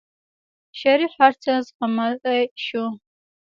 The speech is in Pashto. شريف هر څه زغملی شو.